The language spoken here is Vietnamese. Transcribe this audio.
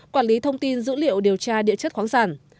quản lý thông tin dữ liệu điều tra địa chất khoáng sản